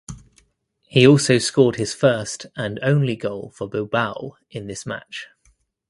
He also scored his first and only goal for Bilbao in this match.